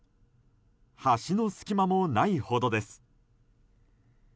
橋の隙間もないほどです。